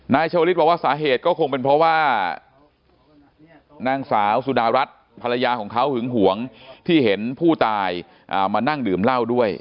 ชาวลิศบอกว่าสาเหตุก็คงเป็นเพราะว่านางสาวสุดารัฐภรรยาของเขาหึงหวงที่เห็นผู้ตายมานั่งดื่มเหล้าด้วย